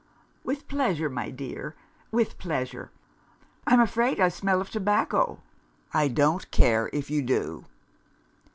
"With pleasure, my dear with pleasure. I'm afraid I smell of tobacco?" "I don't care if you do!"